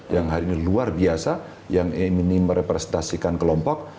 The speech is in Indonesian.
yang hari ini luar biasa yang ini merepresentasikan kelompok